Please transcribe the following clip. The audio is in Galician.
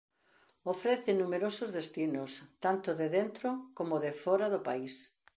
Ofrece numerosos destinos tanto de dentro como de fóra do país.